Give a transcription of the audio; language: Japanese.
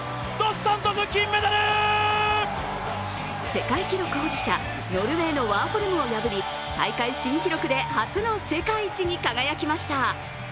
世界記録保持者、ノルウェーのワーホルムを破り大会新記録で初の世界一に輝きました。